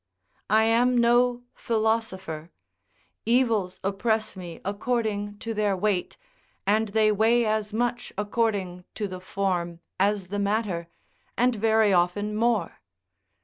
] I am no philosopher; evils oppress me according to their weight, and they weigh as much according to the form as the matter, and very often more.